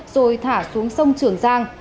rồi thả xuống sông trường giang